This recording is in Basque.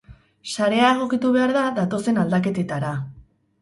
Sarea egokitu behar da, datozen aldaketetara.